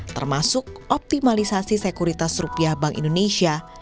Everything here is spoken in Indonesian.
termasuk optimalisasi sekuritas rupiah bank indonesia